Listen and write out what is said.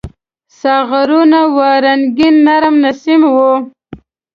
ساغرونه وو رنګین ، نرم نسیم و